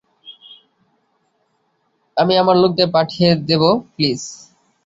আমি আমার লোকদের পাঠিয়ে দেবো, প্লিজ।